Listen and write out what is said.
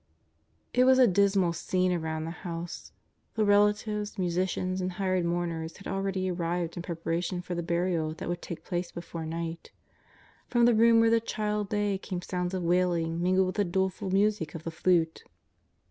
It was a dismal scene around the house. The rela tives, musicians and hired mourners had already ar rived in preparation for the burial that would take place before night. From the room where the child lay came sounds of wailing mingled with the doleful music of the flute.